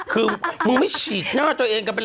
คือมึงไม่ฉีกหน้าตัวเองกันไปเลย